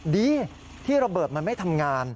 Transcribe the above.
ดีที่ระเบิดมันไม่ทำงาน